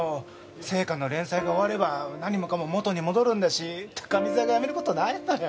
『ＳＥＩＫＡ』の連載が終われば何もかも元に戻るんだし高見沢が辞める事はないんだよ。